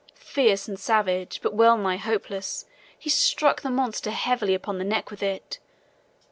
Fierce and savage, but well nigh hopeless, he struck the monster heavily upon the neck with it.